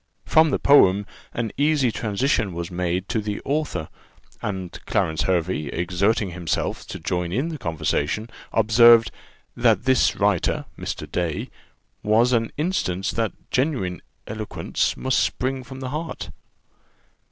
From the poem, an easy transition was made to the author; and Clarence Hervey, exerting himself to join in the conversation, observed, "that this writer (Mr. Day) was an instance that genuine eloquence must spring from the heart.